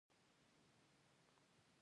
خمیره ډوډۍ پړسوي